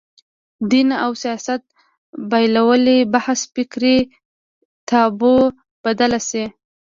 دین او سیاست بېلوالي بحث فکري تابو بدله شي